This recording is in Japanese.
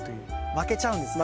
負けちゃうんですね